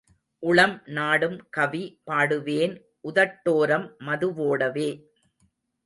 உளம் நாடும் கவி பாடுவேன் உதட்டோரம் மது வோடவே.